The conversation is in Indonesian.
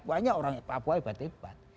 pokoknya orang orang papua hebat hebat